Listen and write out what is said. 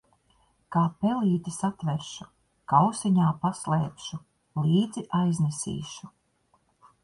Kā pelīti satveršu, kausiņā paslēpšu, līdzi aiznesīšu.